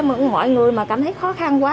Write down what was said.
mọi người mà cảm thấy khó khăn quá